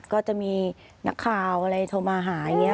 ก็จะมีนักข่าวอะไรโทรมาหาอย่างนี้